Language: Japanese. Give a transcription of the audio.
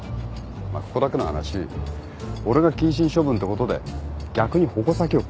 まっここだけの話俺が謹慎処分ってことで逆に矛先をかわしたんだよ。